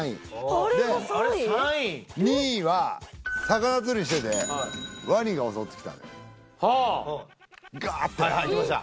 あれ３位２位は魚釣りしててワニが襲ってきたガーッてはいはいきました